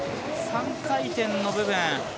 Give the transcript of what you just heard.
３回転の部分。